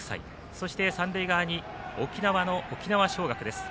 そして、三塁側に沖縄の沖縄尚学です。